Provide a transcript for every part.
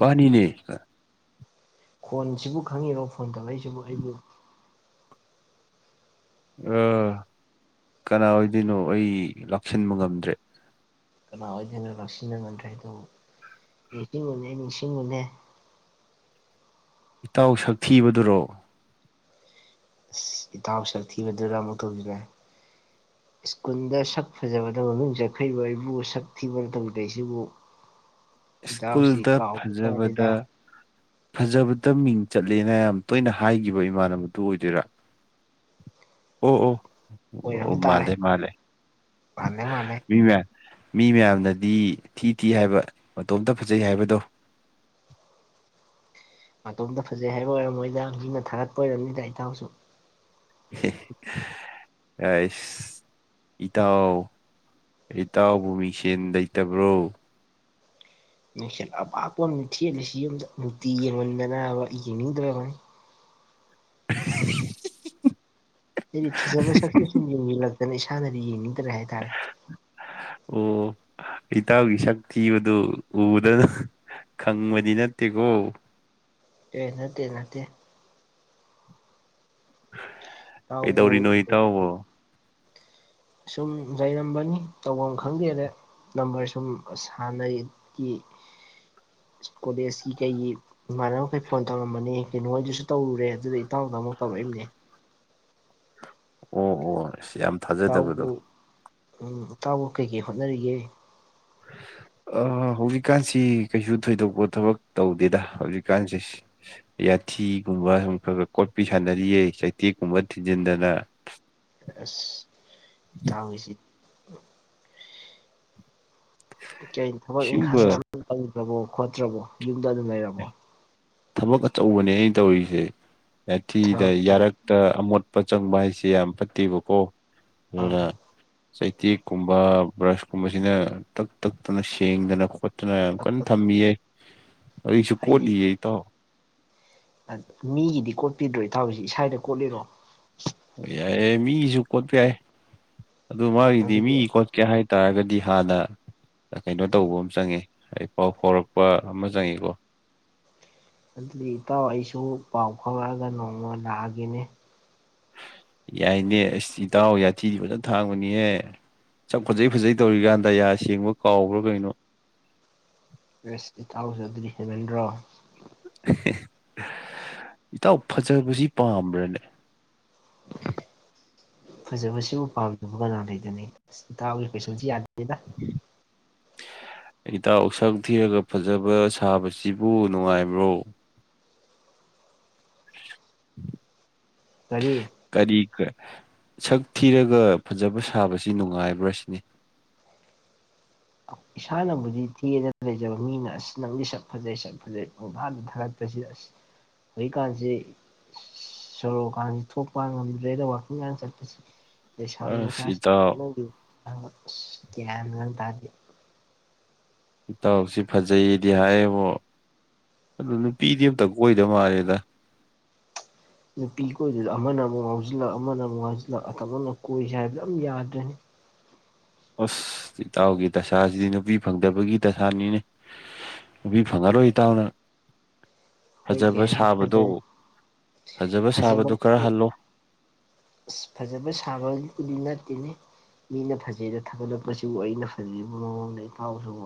ꯃꯥꯅꯤꯅꯦꯍ ꯈꯣꯟꯁꯤꯕꯨ ꯈꯪꯉꯤꯔꯣ phone ꯇꯧꯔꯛꯏꯁꯤꯕꯨ ꯑꯩꯕꯨ꯫ ꯑ ꯀꯅꯥ ꯑꯣꯏꯗꯣꯏꯅꯣ ꯑꯩ ꯂꯥꯛꯁꯤꯟꯕ ꯉꯝꯗ꯭ꯔꯦ꯫ ꯀꯅꯥ ꯑꯣꯏꯗꯣꯏꯅꯣ ꯂꯥꯛꯁꯤꯟꯕ ꯉꯝꯗ꯭ꯔꯦ ꯍꯥꯏꯗꯣ ꯅꯤꯡꯁꯤꯡꯉꯨꯅꯦ ꯅꯤꯡꯁꯤꯡꯉꯨꯅꯦ꯫ ꯏꯇꯥꯎ ꯁꯛꯊꯤꯕꯗꯨꯔꯣ꯫ ꯏꯁ ꯏꯇꯥꯎ ꯁꯛꯊꯤꯕꯗꯨꯔꯣ ꯑꯃꯨꯛ ꯇꯧꯖꯤꯜꯂꯦ ꯁ꯭ꯀꯨꯟꯗ ꯁꯛ ꯐꯖꯕꯗ ꯃꯃꯤꯡ ꯆꯠꯈꯔ꯭ꯤꯕ ꯑꯩꯕꯨ ꯁꯛ ꯊꯤꯕꯅ ꯇꯧꯕꯤꯔꯛꯏꯖꯤꯕꯨ꯫ ꯁꯀꯨꯜꯗ ꯐꯖꯕꯗ꯫ ꯃꯥꯜꯂꯤꯗ ꯐꯖꯕꯗ ꯃꯤꯡ ꯆꯠꯂꯦꯅ ꯌꯥꯝ ꯇꯣꯏꯅ ꯍꯥꯏꯒꯤꯕ ꯏꯃꯥꯟꯅꯕꯗꯨ ꯑꯣꯏꯗꯣꯏꯔꯥ ꯑꯣ ꯑꯣ ꯑꯣꯏꯔꯝ ꯑꯣ ꯇꯥꯔꯦ ꯃꯥꯂꯦ ꯃꯥꯂꯦ ꯃꯥꯜꯂꯦ ꯃꯥꯜꯂꯦ ꯃꯤ ꯃꯌꯥꯝ ꯃꯤ ꯃꯌꯥꯝꯅꯗꯤ ꯊꯤ ꯊꯤ ꯍꯥꯏꯕ ꯃꯇꯣꯝꯇ ꯐꯖꯩ ꯍꯥꯏꯕꯗꯣ ꯃꯇꯣꯝꯇ ꯐꯖꯩ ꯍꯥꯏꯕ ꯑꯣꯏꯔꯝꯃꯣꯏꯗ ꯃꯤꯅ ꯊꯥꯒꯠꯄ ꯑꯣꯏꯔꯝꯅꯤꯗ ꯏꯇꯥꯎꯁꯨ ꯑꯥꯏꯁ ꯏꯇꯥꯎ ꯏꯇꯥꯎꯕꯨ ꯃꯤꯡꯁꯦꯟ ꯂꯩꯇꯕ꯭ꯔꯣ ꯃꯤꯡꯁꯦꯜ ꯑꯄꯥꯛꯄ ꯑꯝꯅꯤ ꯊꯦꯠꯂꯤꯁꯤ ꯌꯨꯝꯗꯥ ꯅꯨꯡꯇꯤ ꯌꯦꯡꯃꯟꯗꯅꯥꯕ ꯌꯦꯡꯅꯤꯡꯗ꯭ꯔꯕꯅꯤ [inaudible] ꯍꯥꯏꯗꯤ ꯐꯖꯕ ꯁꯛꯁꯦ ꯁꯨꯝ ꯌꯦꯡꯖꯤꯜꯂꯛꯇꯅ ꯏꯁꯥꯅꯗꯤ ꯌꯦꯡꯅꯤꯡꯇꯔꯦ ꯍꯥꯏꯇꯥꯔꯦ ꯑꯣ ꯏꯇꯥꯎꯒꯤ ꯁꯛꯊꯤꯕꯗꯨ ꯎꯕꯗ ꯈꯪꯕꯗꯤ ꯅꯠꯇꯦꯒꯣ ꯑꯦ ꯅꯠꯇꯦ ꯅꯠꯇꯦ ꯏꯇꯥꯎꯕꯨ ꯀꯩꯗꯧꯔꯤꯅꯣ ꯏꯇꯥꯎꯕꯣ ꯁꯨꯝ ꯂꯩꯔꯝꯕꯅꯤ ꯇꯧꯐꯝ ꯈꯪꯗꯦꯅ ꯅꯝꯕꯔ ꯁꯨꯝ ꯁꯥꯟꯅꯩꯒꯤ ꯀꯣꯂꯦꯖꯀꯤ ꯀꯩꯒꯤ ꯏꯃꯥꯟꯅꯕꯈꯩ ꯐꯣꯟ ꯇꯧꯔꯝꯕꯅꯤ ꯀꯩꯅꯣꯍꯣꯏꯗꯁꯨ ꯇꯧꯔꯨꯔꯦ ꯑꯗꯨꯗ ꯏꯇꯥꯎꯗꯥ ꯑꯃꯨꯛ ꯇꯧꯔꯛꯏꯝꯅꯦ ꯑꯣ ꯑꯣ ꯏꯁ ꯌꯥꯝ ꯏꯇꯥꯎꯕꯨ ꯊꯥꯖꯗꯕꯗꯣ ꯎꯝ ꯏꯇꯥꯎꯕꯨ ꯀꯩꯀꯩ ꯍꯣꯠꯅꯔꯤꯒꯦ [unintelligible] ꯑ ꯍꯧꯖꯤꯛꯀꯥꯟꯁꯤ ꯀꯩꯁꯨ ꯊꯣꯏꯗꯣꯛꯄ ꯊꯕꯛ ꯇꯧꯗꯦꯗ ꯍꯧꯖꯤꯛꯀꯥꯟꯁꯤ ꯌꯥꯊꯤꯒꯨꯝꯕ ꯁꯨꯝ ꯈ ꯒ ꯀꯣꯠꯄꯤ ꯁꯥꯟꯅꯔꯤꯌꯦ ꯆꯩꯇꯦꯛꯀꯨꯝꯕ ꯊꯤꯟꯖꯤꯟꯗꯅ ꯑꯁ ꯏꯇꯥꯎꯒꯤꯁꯤ ꯀꯩ ꯊꯕꯛ ꯁꯤꯒꯨꯝꯕ ꯏꯪꯈꯥꯡꯒꯥ ꯇꯧꯗ꯭ꯔꯕꯣ ꯈꯣꯠꯇ꯭ꯔꯕꯣ ꯌꯨꯝꯗ ꯑꯗꯨꯝ ꯂꯩꯔꯕꯣ ꯊꯕꯛ ꯑꯆꯧꯕꯅꯦ ꯑꯩꯅ ꯇꯧꯔꯤꯁꯦ ꯌꯥꯊꯤꯗ ꯊꯕꯛ ꯌꯥꯔꯛ ꯇ ꯑꯃꯣꯠꯄ ꯆꯪꯕ ꯍꯥꯏꯁꯦ ꯌꯥꯝ ꯐꯠꯇꯦꯕꯀꯣ ꯑꯗꯨꯅ ꯆꯩꯇꯦꯛ ꯀꯨꯝꯕ ꯕ꯭ꯔꯁ ꯀꯨꯝꯕꯁꯤꯅ ꯇꯛ ꯇꯛꯇꯅ ꯁꯦꯡꯗꯅ ꯈꯣ ꯑꯗꯨꯅ ꯌꯥꯝ ꯀꯟ ꯊꯝꯃꯤꯌꯦ ꯍꯧꯖꯤꯛꯁꯨ ꯍꯥꯏꯗꯤ ꯀꯣꯠꯂꯤꯌꯦ ꯏꯇꯥꯎ ꯃꯤꯒꯤꯗꯤ ꯀꯣꯠꯄꯤꯗ꯭ꯔꯣ ꯏꯇꯥꯎꯁꯤ ꯏꯁꯥꯒꯤꯗꯥ ꯀꯣꯠꯂꯤꯔꯣ ꯑꯣ ꯌꯥꯏꯑꯦ ꯃꯤꯒꯤꯁꯨ ꯀꯣꯠꯄ ꯌꯥꯏ ꯑꯗꯨ ꯃꯥꯒꯤꯗꯤ ꯑꯗꯨꯗꯤ ꯃꯤ ꯀꯣ ꯀꯦ ꯍꯥꯏꯇꯥꯔꯒꯗꯤ ꯍꯥꯟꯅ ꯀꯩꯅꯣ ꯇꯧꯕ ꯑꯃ ꯆꯪꯉꯦ ꯑꯩ ꯄꯥꯎ ꯐꯥꯎꯔꯛꯄ ꯑꯃ ꯆꯪꯉꯤꯀꯣ ꯑꯗꯨꯗꯤ ꯏꯇꯥꯎ ꯑꯩꯁꯨ ꯄꯥꯎ ꯐꯥꯎꯔꯛꯑꯒ ꯅꯣꯡꯃ ꯂꯥꯛꯑꯒꯦꯅꯦ ꯌꯥꯏꯅꯦ ꯑꯩꯁ ꯏꯇꯥꯎ ꯌꯥꯊꯤꯗꯤ ꯐꯖꯅ ꯊꯥꯡꯕꯅꯤꯍꯦ ꯁꯛ ꯐꯖꯩ ꯐꯖꯩ ꯇꯧꯔꯤꯀꯥꯟꯗ ꯌꯥ ꯁꯦꯡꯕ ꯀꯥꯎꯕ꯭ꯔꯥ ꯀꯩꯅꯣ ꯑꯁ ꯏꯇꯥꯎꯖꯨ ꯑꯗꯨꯗꯤ ꯍꯦꯟꯃꯟꯗ꯭ꯔꯣ ꯍꯦ ꯍꯦ ꯏꯇꯥꯎ ꯐꯖꯕꯁꯤ ꯄꯥꯝꯕ꯭ꯔꯅꯦ [unintelligible] ꯐꯖꯕꯁꯤꯕꯨ ꯄꯥꯝꯗꯕ ꯀꯅꯥ ꯂꯩꯒꯦꯅꯦ ꯑꯁ ꯏꯇꯥꯎꯒꯤ ꯀꯣꯏꯁꯟꯁꯤ ꯌꯥꯗꯦꯗ [unintelligible] ꯏꯇꯥꯎ ꯁꯛ ꯊꯤꯔꯒ ꯐꯖꯕ ꯁꯥꯕꯁꯤꯕꯨ ꯅꯨꯡꯉꯥꯏꯕ꯭ꯔꯣ [unintelligible] ꯀꯔꯤ ꯀꯔꯤ ꯀꯥ ꯁꯛ ꯊꯤꯔꯒ ꯐꯖꯕ ꯁꯥꯕꯁꯤ ꯅꯨꯡꯉꯥꯏꯕ꯭ꯔꯥ ꯁꯤꯅꯤ ꯏꯁꯥꯅꯕꯨꯗꯤ ꯊꯤꯌꯦꯅꯥ ꯂꯩꯖꯕ ꯃꯤꯅ ꯑꯁ ꯅꯪꯗꯤ ꯁꯛ ꯐꯖꯩ ꯁꯛ ꯐꯖꯩ ꯄꯪꯊꯥꯗ ꯊꯥꯒꯠ ꯄꯁꯤꯗ ꯑꯁ ꯍꯧꯖꯤꯛꯀꯥꯟꯁꯤ ꯁꯣꯔꯣꯛꯀꯥꯟꯁꯤ ꯊꯣꯛꯄ ꯉꯝꯗ꯭ꯔꯦꯗ ꯋꯥꯛꯀꯤꯡꯒꯥꯟ ꯆꯠꯄꯁꯤ ꯂꯩꯁꯥꯕꯤ ꯑꯁ ꯃꯆꯥꯁꯤ ꯏꯇꯥꯎ [unintelligible] ꯑꯁ ꯒ꯭ꯌꯥꯟ ꯒꯥ ꯑꯝ ꯇꯥꯗꯦ ꯏꯇꯥꯎꯁꯤ ꯐꯖꯩꯌꯦꯗꯤ ꯍꯥꯏꯌꯦꯕꯣ ꯑꯗꯨ ꯅꯨꯄꯤꯗꯤ ꯑꯝꯇ ꯀꯣꯏꯗ ꯃꯥꯜꯂꯦꯗ ꯅꯨꯄꯤ ꯀꯣꯏꯗꯧꯗꯨ ꯑꯃꯅ ꯑꯃꯨꯛ ꯉꯥꯎꯁꯤꯜꯂꯛ ꯑꯃꯅ ꯑꯃꯨꯛ ꯉꯥꯎꯁꯤꯜꯂꯛ ꯑꯐꯕꯃ ꯀꯣꯏꯁꯦ ꯍꯥꯏꯕꯗ ꯑꯝ ꯌꯥꯗ꯭ꯔꯦꯅꯦ ꯑꯁ ꯏꯇꯥꯎꯒꯤ ꯗꯁꯥꯁꯤꯗꯤ ꯅꯨꯄꯤ ꯐꯪꯗꯕꯒꯤ ꯗꯁꯥꯅꯤꯅꯦ ꯅꯨꯄꯤ ꯐꯪꯉꯔꯣꯏ ꯏꯇꯥꯎ ꯅꯪ ꯀꯣꯏꯒꯦ ꯍꯥꯏꯅꯤ ꯐꯖꯔ ꯐꯖꯕ ꯁꯥꯕꯗꯣ ꯈꯔ ꯐꯖꯃꯟꯕꯒꯤ ꯍꯜꯂꯣ ꯑꯁ ꯐꯖꯕ ꯁꯥꯕꯕꯨꯗꯤ ꯅꯠꯇꯦꯅꯤ ꯃꯤꯅ ꯐꯖꯩꯗ ꯊꯥꯒꯠꯂꯛꯄꯁꯤꯕꯨ ꯑꯩꯅ ꯍꯥꯏꯖꯟꯕꯩ ꯃꯑꯣꯡꯗ ꯏꯇꯥꯎꯁꯤꯕꯨ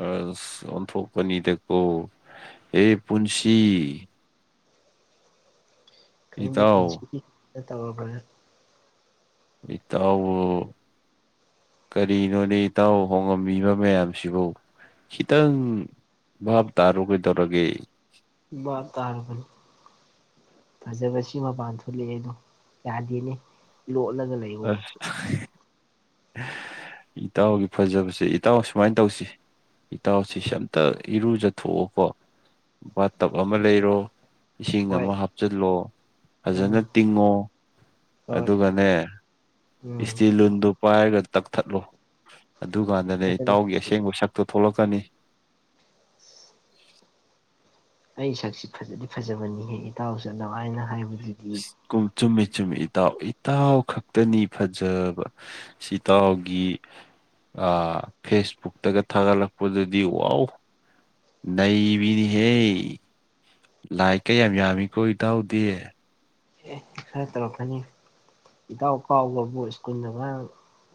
ꯑꯁ ꯑꯣꯟꯊꯣꯛꯄꯅꯤꯗꯀꯣ ꯍꯦ ꯄꯨꯟꯁꯤ ꯈꯪꯗꯦ ꯏꯇꯥꯎ ꯄꯨꯟꯁꯤꯒꯤꯇ ꯇꯧꯔꯕ꯭ꯔꯥ ꯏꯇꯥꯎꯕꯨ ꯀꯔꯤꯅꯣꯅꯦ ꯏꯇꯥꯎ ꯍꯣꯡꯉꯝꯃꯤꯕ ꯃꯌꯥꯝꯁꯤꯕꯨ ꯈꯤꯇꯪ ꯚꯥꯞ ꯇꯥꯔꯣ ꯀꯩꯗꯧꯔꯒꯦ ꯕꯥꯞ ꯇꯔꯕꯅꯦ ꯐꯖꯕꯁꯤ ꯃꯄꯥꯟ ꯊꯣꯛꯂꯛꯑꯦ ꯑꯗꯣ ꯌꯥꯗꯦꯅꯦ ꯂꯣꯠꯂꯒ ꯂꯩ ꯑꯁ ꯏꯇꯥꯎꯒꯤ ꯐꯖꯕꯁꯦ ꯏꯇꯥꯎ ꯁꯨꯃꯥꯏ ꯇꯧꯁꯤ ꯏꯇꯥꯎꯁꯤꯁꯦ ꯑꯝꯇ ꯏꯔꯨꯖꯊꯣꯛꯑꯣꯀꯣ ꯕꯥꯠ ꯇꯞ ꯑꯃ ꯂꯩꯔꯣ ꯏꯁꯤꯡ ꯍꯣꯏ ꯑꯃ ꯍꯥꯞꯆꯤꯜꯂꯣ ꯎꯝ ꯐꯖꯅ ꯇꯤꯡꯉꯣ ꯍꯣꯏ ꯑꯗꯨꯒꯅꯦ ꯎꯝ ꯏꯁꯇꯤꯜ ꯂꯨꯟꯗꯨ ꯄꯥꯏꯔꯒ ꯇꯛꯊꯠꯂꯣ ꯑꯗꯨꯀꯥꯟꯗꯅꯦ ꯑꯗꯨꯅ ꯏꯇꯥꯎꯒꯤ ꯑꯁꯦꯡꯕ ꯁꯛꯇꯣ ꯊꯣꯛꯂꯛꯀꯅꯤ [inaudible] ꯑꯩ ꯁꯛꯁꯤ ꯐꯖꯗꯤ ꯐꯖꯕꯅꯤꯍꯦꯛ ꯏꯇꯥꯎꯁꯨ ꯑꯗꯨꯍꯥꯏꯅ ꯍꯥꯏꯕꯗꯨꯗꯤ ꯀꯨ ꯆꯨꯝꯃꯤ ꯆꯨꯝꯃꯤ ꯏꯇꯥꯎ ꯏꯇꯥꯎ ꯈꯛꯇꯅꯤ ꯐꯖꯕ ꯁꯤꯇꯥꯎꯒꯤ ꯑꯥ ꯐꯦꯁꯕꯨꯛꯇꯒ ꯊꯥꯒꯠꯂꯛꯄꯗꯗꯤ ꯋꯥꯎ ꯅꯩꯕꯤꯅꯤꯍꯦ ꯂꯥꯏ ꯀ ꯌꯥꯝ ꯌꯥꯝꯃꯤ ꯀꯣ ꯏꯗꯥꯎꯗꯤ ꯑꯦ ꯈꯔ ꯇꯧꯔꯛꯀꯅꯤ ꯏꯇꯥꯎ ꯀꯥꯎꯒꯔꯕꯣ ꯁ꯭ꯀꯨꯜꯗ ꯉꯔꯥꯡ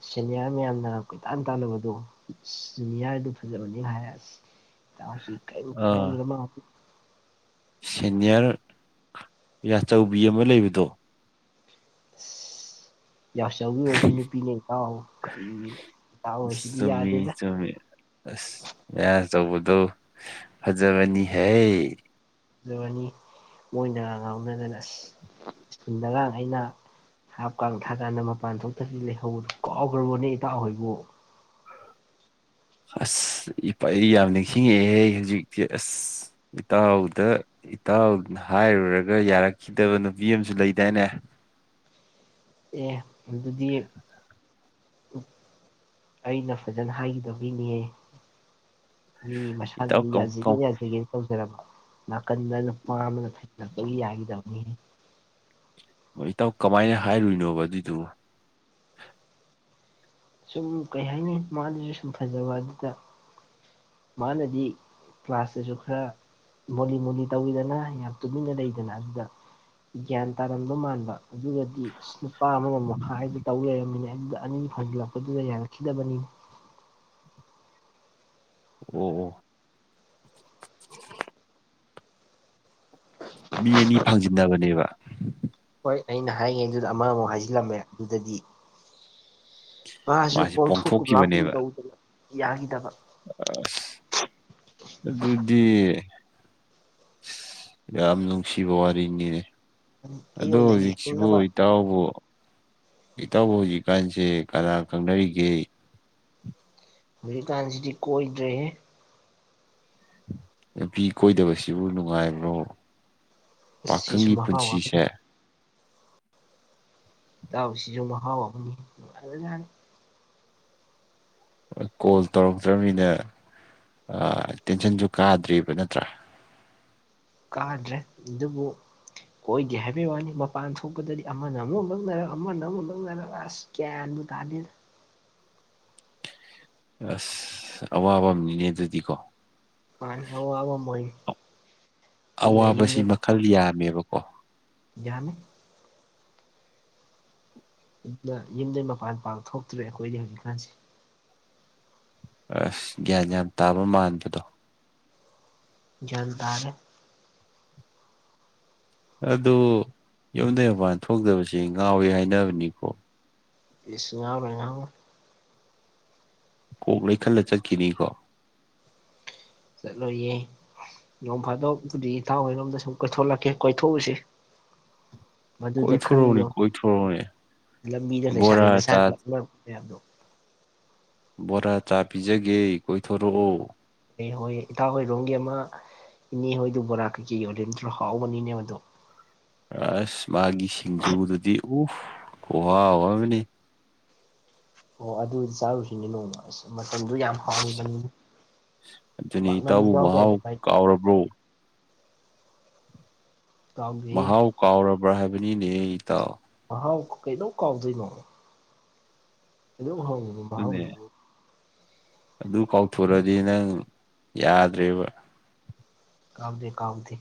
ꯁꯦꯅꯤꯌꯥꯔ ꯃꯌꯥꯝꯅ ꯀꯣꯏꯇꯥꯟ ꯇꯥꯟꯅꯕꯗꯣ ꯖꯨꯅꯤꯌꯥꯔꯗꯨ ꯐꯖꯕꯅꯤ ꯍꯥꯏꯁ ꯏꯇꯥꯎꯁꯤ ꯀꯩꯝ ꯑꯥ ꯈꯉꯝꯗꯔꯥ ꯃꯥꯜꯂꯦ ꯁꯦꯅꯤꯌꯔ ꯌꯥꯆꯧꯕꯤ ꯑꯃ ꯂꯩꯕꯗꯣ [inaudible] ꯌꯥꯆꯧꯕꯤ ꯑꯣꯏꯔꯁꯨ ꯅꯨꯄꯤꯅꯦ ꯏꯇꯥꯎ ꯀꯔꯤꯅꯣ ꯏꯇꯥꯎ ꯑꯣꯏꯁꯤꯗꯤ ꯆꯨꯝꯃꯤ ꯌꯥꯗꯦꯗꯥ ꯆꯨꯝꯃꯤ ꯑꯁ ꯃꯌꯥ ꯆꯧꯕꯗꯣ ꯐꯖꯕꯅꯤꯍꯦ ꯑꯗꯨꯔꯅꯤ ꯃꯣꯏꯅ ꯉꯥꯎꯅꯗꯅ ꯑꯁ ꯁ꯭ꯀꯨꯜꯗꯒ ꯑꯩꯅ ꯍꯥꯞ ꯀꯥꯡ ꯊꯥꯀꯥꯟꯗ ꯃꯄꯥꯟ ꯊꯣꯛꯇꯗꯤ ꯂꯩꯍꯧꯕꯗꯨ ꯀꯥꯎꯈ꯭ꯔꯕꯣꯅꯦ ꯏꯇꯥꯎ ꯍꯣꯏꯕꯨ ꯑꯁ ꯏꯄꯩ ꯌꯥꯝ ꯅꯤꯡꯁꯤꯡꯉꯑꯦꯍꯦ ꯍꯧꯖꯤꯛꯇꯤ ꯑꯁ ꯏꯇꯥꯎꯗ ꯏꯇꯥꯎꯅ ꯍꯥꯏꯔꯨꯔꯒ ꯌꯥꯔꯛꯈꯤꯗꯕ ꯅꯨꯄꯤ ꯑꯃꯁꯨ ꯂꯩꯗꯥꯏꯅꯦ ꯑꯦ ꯃꯗꯨꯗꯤ ꯑꯩꯅ ꯐꯖꯅ ꯍꯥꯏꯒꯤꯗꯕꯩꯅꯦꯍꯦ ꯃꯤ ꯏꯇꯥꯎ ꯃꯁꯥꯅꯗꯤ ꯀꯝ ꯌꯥꯖꯒꯦ ꯀꯝ ꯌꯥꯖꯒꯦ ꯇꯧꯖꯔꯕꯣ ꯅꯥꯀꯟꯗ ꯅꯨꯄꯥ ꯑꯃꯅ ꯐꯩꯖꯤꯜꯂꯛꯄꯒꯤ ꯌꯥꯈꯤꯗꯕꯅꯤ ꯑꯣ ꯏꯇꯥꯎ ꯀꯃꯥꯏꯅ ꯍꯥꯏꯔꯨꯏꯅꯣꯕ ꯑꯗꯨꯏꯗꯨꯕꯨ ꯁꯨꯝ ꯀꯩ ꯍꯥꯏꯅꯤ ꯃꯥꯗꯨꯁꯨ ꯁꯨꯝ ꯐꯖꯕ ꯑꯗꯨꯗ ꯃꯥꯅꯗꯤ ꯀ꯭ꯂꯥꯁꯇꯁꯨ ꯈꯔ ꯃꯣꯂꯤ ꯃꯣꯂꯤ ꯇꯧꯋꯤꯗꯅ ꯌꯥꯝ ꯇꯨꯃꯤꯟꯅ ꯂꯩꯗꯅ ꯑꯗꯨꯗ ꯒ꯭ꯌꯥꯟ ꯇꯥꯔꯗꯧ ꯃꯥꯟꯕ ꯑꯗꯨꯒꯗꯤ ꯅꯨꯄꯥ ꯑꯃꯒ ꯃꯈꯥꯏꯗꯨ ꯇꯧ ꯂꯩꯔꯝꯃꯤꯅꯦ ꯑꯗꯨꯗ ꯑꯅꯤ ꯐꯪꯖꯤꯜꯂꯛꯄꯗꯨꯗ ꯌꯥꯔꯛꯈꯤꯗꯕꯅꯤ ꯑꯣ ꯑꯣ ꯃꯤ ꯑꯅꯤ ꯐꯪꯖꯤꯟꯅꯕꯅꯦꯕ ꯍꯣꯏ ꯑꯩꯅ ꯍꯥꯏꯔꯤꯉꯩꯗꯨꯗ ꯑꯃ ꯑꯃꯨꯛ ꯍꯥꯏꯖꯤꯜꯂꯝꯃꯦ ꯑꯗꯨꯗꯗꯤ ꯃꯥꯁꯨ ꯃꯥꯁꯦ ꯄꯣꯡꯊꯣꯛꯀꯨꯝ ꯂꯥꯛꯀꯨꯝ ꯄꯣꯡꯊꯣꯛꯈꯤꯕꯅꯦꯕ ꯇꯧꯗꯅ ꯌꯥꯈꯤꯗꯕ ꯑꯁ ꯑꯗꯨꯗꯤ ꯌꯥꯝ ꯅꯨꯡꯁꯤꯕ ꯋꯥꯔꯤꯅꯤꯅꯦ ꯑꯗ ꯑꯩꯉꯣꯟꯗꯗꯤ ꯍꯧꯖꯤꯛꯁꯤꯕꯨ ꯌꯥꯅꯤꯡꯉꯕ ꯏꯇꯥꯎꯕꯨ ꯏꯇꯥꯎꯕꯨ ꯍꯧꯖꯤꯛꯀꯥꯟꯁꯦ ꯀꯅꯥ ꯈꯪꯅꯔꯤꯒꯦ ꯍꯧꯖꯤꯛꯀꯥꯟꯁꯤꯗꯤ ꯀꯣꯏꯗ꯭ꯔꯦꯌꯦ ꯅꯨꯄꯤ ꯀꯣꯏꯗꯕꯁꯤꯕꯨ ꯅꯨꯡꯉꯥꯏꯕ꯭ꯔꯣ ꯑꯁ ꯁꯤꯁꯨ ꯄꯥꯈꯪꯒꯤ ꯃꯍꯥꯎ ꯄꯨꯟꯁꯤꯁꯦ ꯑꯃꯅꯤ ꯇꯥꯎ ꯁꯤꯖꯨ ꯃꯍꯥꯎ ꯑꯃꯅꯤ [unintelligible] ꯀꯣꯜ ꯇꯧꯔꯛꯇ꯭ꯔꯝꯅꯤꯅ ꯑ ꯇꯦꯟꯁꯟꯁꯨ ꯀꯥꯗ꯭ꯔꯦꯕ ꯅꯠꯇ꯭ꯔꯥ ꯀꯥꯗ꯭ꯔꯦ ꯑꯗꯨꯕꯨ ꯀꯣꯏꯗꯦ ꯍꯥꯏꯕꯩ ꯋꯥꯅꯤ ꯃꯄꯥꯟ ꯊꯣꯛꯄꯗꯗꯤ ꯑꯃꯅ ꯑꯃꯨꯛ ꯂꯛꯅꯔꯛ ꯑꯃꯅ ꯑꯃꯨꯛ ꯂꯛꯅꯔꯛ ꯑꯁ ꯒ꯭ꯌꯥꯟ ꯇꯥꯗꯦꯗ ꯑꯁ ꯑꯋꯥꯕ ꯑꯃꯅꯤꯅꯦ ꯑꯗꯨꯗꯤꯀꯣ ꯃꯥꯅꯦ ꯑꯋꯥꯕ ꯑꯃ ꯑꯣꯏ ꯑꯗꯨꯅ ꯑꯋꯥꯕꯁꯤ ꯃꯈꯜ ꯌꯥꯝꯃꯦꯕꯀꯣ ꯌꯥꯅꯤ [unintelligible] ꯌꯨꯝꯗꯩ ꯃꯄꯥꯟ ꯄꯥꯛ ꯊꯣꯛꯇ꯭ꯔꯦ ꯑꯩꯈꯣꯏꯗꯤ ꯍꯧꯖꯤꯛꯀꯥꯟꯁꯦ ꯑꯁ ꯒ꯭ꯌꯥꯟ ꯌꯥꯝ ꯇꯥꯕ ꯃꯥꯟꯕꯗꯣ ꯒ꯭ꯌꯥꯟ ꯇꯥꯔꯦ ꯑꯗꯨ ꯌꯨꯝꯗꯩ ꯃꯄꯥꯟ ꯊꯣꯛꯇꯕꯁꯤ ꯉꯥꯎꯋꯤ ꯍꯥꯏꯅꯕꯅꯤꯀꯣ ꯏꯁ ꯉꯥꯎꯔꯣꯢ ꯉꯥꯎꯔꯣꯢ ꯀꯣꯛ ꯂꯩꯈꯠꯂ ꯆꯠꯈꯤꯅꯤ ꯀꯣ ꯆꯠꯂꯣꯏꯌꯦ ꯅꯣꯡ ꯐꯥꯗꯣꯛꯄꯨꯗꯤ ꯏꯇꯥꯎꯍꯣꯏꯔꯣꯝꯗ ꯁꯨꯝ ꯀꯣꯏꯊꯣꯛꯂꯛꯀꯦ ꯀꯣꯏꯊꯣꯛꯎꯁꯤ [inaudible] ꯃꯗꯨꯗ ꯀꯣꯏꯊꯣꯔꯛꯎꯅꯦ ꯈꯪꯕꯤꯌꯣꯡ ꯀꯣꯏꯊꯣꯔꯛꯎꯅꯦ ꯂꯝꯕꯤꯗ ꯂꯩꯁꯥꯕꯤ ꯕꯣꯔꯥ ꯃꯆꯥ ꯆꯥ ꯂꯛꯅꯕ ꯃꯌꯥꯝꯗꯣ ꯕꯣꯔꯥ ꯆꯥ ꯄꯤꯖꯒꯦ ꯀꯣꯏꯊꯣꯔꯛꯑꯣ ꯍꯣꯏ ꯍꯣꯏꯌꯦ ꯏꯇꯥꯎꯍꯣꯏꯔꯣꯝꯒꯤ ꯑꯃ ꯏꯅꯦ ꯍꯣꯏꯗꯨ ꯕꯣꯔꯥ ꯀꯩꯆꯤ ꯌꯣꯜꯂꯤꯝꯇ꯭ꯔꯣ ꯍꯥꯎꯕꯅꯤꯅꯦ ꯃꯗꯣ ꯑꯁ ꯃꯥꯒꯤ ꯁꯤꯡꯖꯨꯗꯨꯗꯤ ꯎꯐ ꯈꯨꯍꯥꯎ ꯑꯃꯅꯤ ꯍꯣ ꯑꯗꯨ ꯆꯥꯔꯨꯁꯤꯅꯦ ꯅꯣꯡꯃ ꯑꯁ ꯃꯇꯝꯗꯨ ꯌꯥꯝ ꯑꯁ ꯍꯥꯎꯕꯅꯤꯅꯦ ꯑꯗꯨꯅꯤ ꯄꯥꯛꯅꯝꯁꯨ ꯏꯇꯥꯎꯕꯨ ꯌꯥꯎꯗꯥꯏꯅꯦ ꯃꯍꯥꯎ ꯃꯥꯏꯗꯣ ꯀꯥꯎꯔꯕ꯭ꯔꯣ ꯀꯥꯎꯗꯦꯍꯦ ꯃꯍꯥꯎ ꯀꯥꯎꯔꯕ꯭ꯔꯥ ꯍꯥꯏꯕꯅꯤꯅꯦ ꯢꯇꯥꯎ ꯃꯍꯥꯎ ꯀꯩꯗꯧ ꯀꯥꯎꯗꯣꯏꯅꯣ ꯑꯗꯨꯛ ꯍꯥꯎ [unintelligible] ꯑꯗꯨꯅꯦ ꯃꯍꯥꯎꯗꯨꯕꯨ ꯑꯗꯨ ꯀꯥꯎꯊꯣꯔꯛꯑꯗꯤ ꯅꯪ ꯌꯥꯗ꯭ꯔꯦꯕ ꯀꯥꯎꯗꯦ ꯀꯥꯎꯗꯦ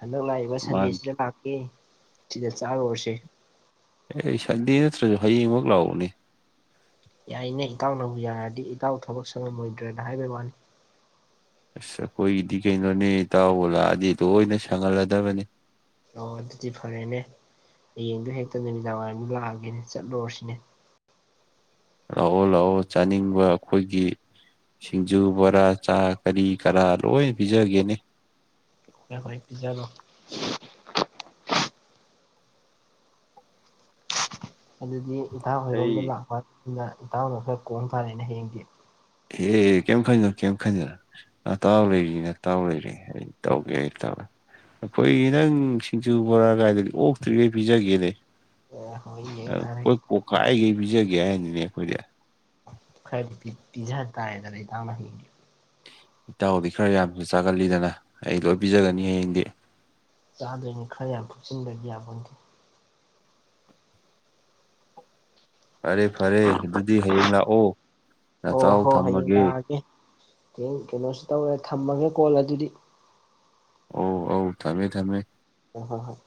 ꯍꯟꯗꯛ ꯂꯥꯛꯏꯕ ꯃꯥꯅ ꯁꯟꯗꯦꯁꯤꯗ ꯂꯥꯛꯀꯦ ꯁꯤꯗ ꯆꯥꯥꯔꯨꯔꯁꯦ ꯑꯦ ꯁꯟꯗꯦ ꯅꯠꯇ꯭ꯔꯁꯨ ꯍꯌꯦꯡꯃꯛ ꯂꯥꯛꯎꯅꯦ ꯌꯥꯏꯅꯦ ꯏꯇꯥꯎꯅꯕꯨ ꯌꯥꯔꯗꯤ ꯏꯇꯥꯎ ꯊꯕꯛ ꯁꯪꯉꯝꯃꯣꯏꯗ꯭ꯔꯅ ꯍꯥꯏꯕꯩ ꯋꯥꯅꯤ ꯢꯁ ꯑꯩꯈꯣꯏꯒꯤꯗꯤ ꯀꯩꯅꯣꯅꯦ ꯏꯇꯥꯎꯕꯨ ꯂꯥꯛꯑꯗꯤ ꯂꯣꯏꯅ ꯁꯪꯍꯜꯂꯗꯕꯅꯤ ꯑꯣ ꯑꯗꯨꯗꯤ ꯐꯔꯦꯅꯦ ꯍꯌꯦꯡꯗꯣ ꯍꯦꯛꯇ ꯅꯨꯃꯤꯗꯥꯡꯋꯥꯏꯔꯝꯗ ꯂꯥꯛꯑꯒꯦꯅꯦ ꯆꯠꯂꯨꯔꯣꯁꯤꯅꯦ ꯂꯥꯛꯑꯣ ꯂꯥꯛꯑꯣ ꯆꯥꯅꯤꯡꯕ ꯑꯩꯈꯣꯏꯒꯤ ꯁꯤꯡꯖꯨ ꯕꯣꯔꯥ ꯆꯥ ꯀꯔꯤ ꯀꯔꯥ ꯂꯣꯏ ꯄꯤꯖꯒꯦꯅꯦ [unintelligible] ꯄꯤꯖꯔꯣ ꯑꯗꯨꯗꯤ ꯏꯇꯥꯎ ꯍꯣꯏꯔꯣꯝꯗ ꯑꯩ ꯂꯥꯛꯄꯅꯤꯅ ꯏꯇꯥꯎꯅ ꯈꯔ ꯀꯣꯡ ꯇꯥꯔꯦꯅ ꯍꯌꯦꯡꯗꯤ [unintelligible] ꯀꯦꯝ ꯈꯟꯒꯅꯨ ꯀꯦꯝ ꯈꯟꯒꯅꯨ ꯅꯇꯥꯎ ꯂꯩꯔꯤ ꯅꯇꯥꯎ ꯂꯩꯔꯤ ꯑꯩ ꯇꯧꯒꯦ ꯑꯩ ꯇꯧ ꯑꯈꯣꯢ ꯅꯪ ꯁꯤꯡꯖꯨ ꯕꯣꯔꯥ ꯒꯥꯏꯗꯨꯗꯤ ꯑꯣꯛꯇ꯭ꯔꯤꯒꯩ ꯄꯤꯖꯒꯦꯅꯦ ꯑꯦ ꯍꯣꯏ ꯌꯦꯡ [unintelligible] ꯇꯥꯔꯦ ꯄꯨꯛ ꯄꯣꯛꯈꯥꯏꯒꯩ ꯄꯤꯖꯒꯦ ꯍꯥꯏꯅꯤꯅꯦ ꯑꯩꯈꯣꯏꯗꯤ ꯈꯔꯗꯤ ꯄꯤ ꯄꯤꯖ ꯇꯔꯦꯗꯅ ꯏꯇꯥꯎꯅ ꯍꯌꯦꯡꯗꯤ ꯏꯇꯥꯎꯗꯤ ꯈꯔ ꯌꯥꯝꯁꯨ ꯆꯥꯒꯠꯜꯂꯤꯗꯅ ꯑꯩ ꯂꯣꯏ ꯄꯖꯒꯅꯤ ꯍꯌꯦꯡꯗꯤ ꯆꯥꯗꯣꯏꯅꯤ ꯈꯔ ꯌꯥꯝ ꯎꯞꯆꯤꯟꯕꯔꯗꯤ ꯌꯥꯕꯣꯟꯗꯦ ꯐꯔꯦ ꯐꯔꯦ ꯑꯗꯨꯗꯤ ꯍꯌꯦꯡ ꯂꯥꯛꯑꯣ ꯑꯣ ꯅꯥꯇꯥꯎ ꯍꯣ ꯍꯌꯦꯡ ꯊꯝꯃꯒꯦ ꯂꯥꯛꯑꯒꯦ ꯍꯌꯦꯡ ꯀꯩꯅꯣꯁ ꯇꯧꯔꯦ ꯊꯝꯃꯒꯦ ꯀꯣꯜ ꯑꯗꯨꯗꯤ ꯑꯣ ꯑꯧ ꯊꯃꯦ ꯊꯃꯦ ꯍꯣ ꯍꯣ ꯍꯣ